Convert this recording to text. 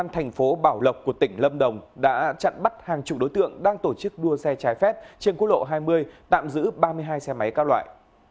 công an thành phố bảo lộc của tỉnh lâm đồng đã chặn bắt hàng chục đối tượng đang tổ chức đua xe trái phép trên quốc lộ hai mươi tạm giữ ba mươi hai xe máy các loại